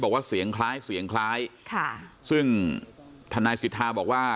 บอกว่าเสียงคล้ายซึ่งทนายศิษฐาบอกว่า